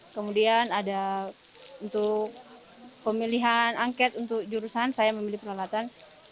kemudian ada untuk pemilihan angket untuk jurusan saya memilih peralatan